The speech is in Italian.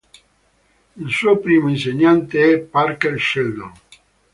Il suo primo insegnante è Parker Sheldon.